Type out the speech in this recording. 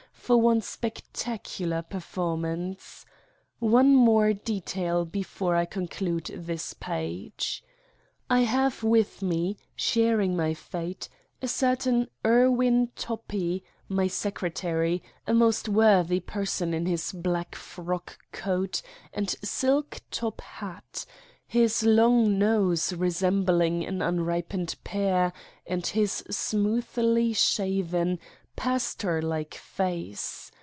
for one spectacular performance. One more detail before I conclude this page. I have with me, sharing my fate, a certain Ir win Toppi, my secretary, a most worthy person in his black frock coat and silk top hat, his long nose resembling an unripened pear and his smoothly shaven, pastor like face.